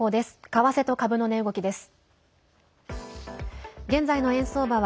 為替と株の値動きです。